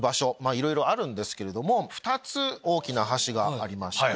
いろいろあるんですけれども２つ大きな橋がありまして。